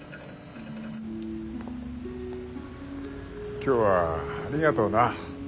今日はありがとうな。